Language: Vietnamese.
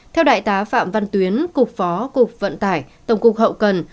theo đại tá phạm văn tuyến cục phó cục vận tải tổng cục hậu cần